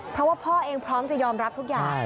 เพราะว่าพ่อเองพร้อมจะยอมรับทุกอย่าง